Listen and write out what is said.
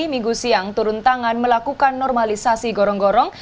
minggu siang turun tangan melakukan normalisasi gorong gorong